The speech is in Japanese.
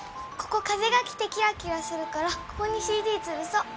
ここ風が来てキラキラするからここにＣＤつるそう。